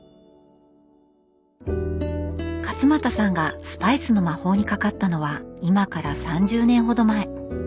勝又さんがスパイスの魔法にかかったのは今から３０年ほど前。